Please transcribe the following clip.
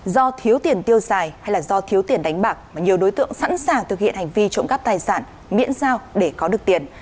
do thiếu tiền tiêu xài hay là do thiếu tiền đánh bạc mà nhiều đối tượng sẵn sàng thực hiện hành vi trộm cắp tài sản miễn dao để có được tiền